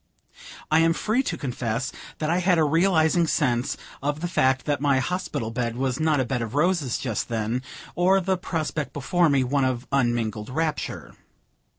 I am free to confess that I had a realizing sense of the fact that my hospital bed was not a bed of roses just then, or the prospect before me one of unmingled rapture.